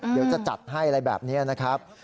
เดี๋ยวจะจัดให้อะไรแบบนี้นะครับ